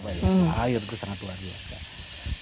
air itu sangat luas